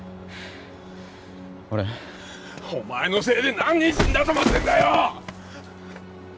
俺お前のせいで何人死んだと思ってんだよ！